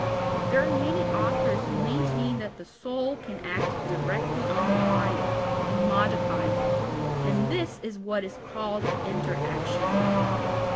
There are many authors who maintain that the soul can act directly on the body and modify it, and this is what is called inter actionism.